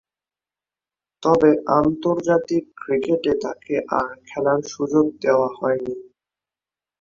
তবে, আন্তর্জাতিক ক্রিকেটে তাকে আর খেলার সুযোগ দেয়া হয়নি।